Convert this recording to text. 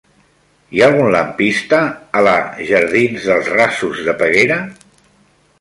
Hi ha algun lampista a la jardins dels Rasos de Peguera?